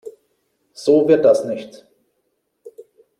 So wird das nichts.